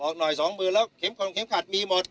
บอกหน่อย๒มือแล้วเข็มขัดมีหมด